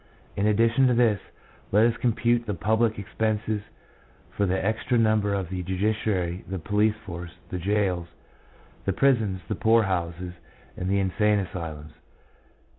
In addition to this, let us compute the public expenses for the extra number of the judiciary, the police force, the jails, the prisons, the poorhouses, and the insane asylums.